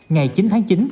ngày chín tháng